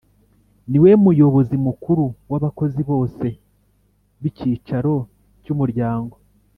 Ni we Muyobozi Mukuru w’abakozi bose b’icyicaro cy’Umuryango ;